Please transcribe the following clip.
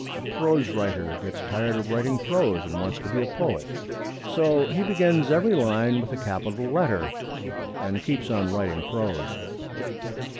A prose writer gets tired of writing prose, and wants to be a poet. So he begins every line with a capital letter, and keeps on writing prose.